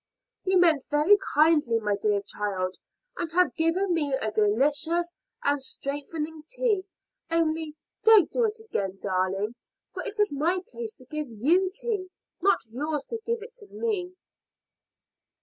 "You meant very kindly, my dear child, and have given me a delicious and strengthening tea. Only don't do it again, darling, for it is my place to give you tea, not yours to give it to me."